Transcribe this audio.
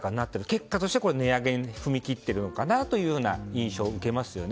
結果として値上げに踏み切ってるのかなという印象を受けますよね。